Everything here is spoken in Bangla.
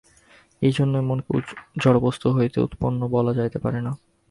এইজন্যই মনকে জড়বস্তু হইতে উৎপন্ন বলা যাইতে পারে না।